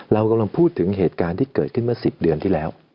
เรากำลังพูดถึงเหตุการณ์ที่เกิดขึ้นเมื่อ๑๐เดือนที่แล้ว